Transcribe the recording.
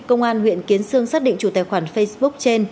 công an huyện kiến sương xác định chủ tài khoản facebook trên